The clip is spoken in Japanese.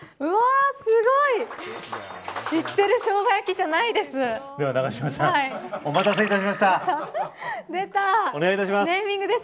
知ってるしょうが焼きじゃないです。